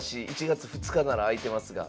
１月２日なら空いてますが」。